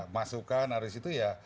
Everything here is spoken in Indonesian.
masukan harus itu ya